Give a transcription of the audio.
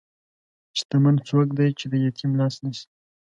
شتمن څوک دی چې د یتیم لاس نیسي.